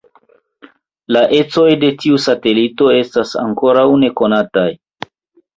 La ecoj de tiu satelito estas ankoraŭ nekonataj.